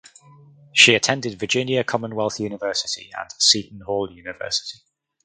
She attended Virginia Commonwealth University and Seton Hall University.